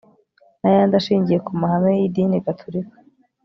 n ayandi ashingiye ku mahame y idini gatulika